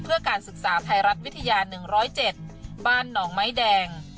เพื่อการศึกษาไทยรัฐวิทยา๑๐๗บ้านหนองไม้แดง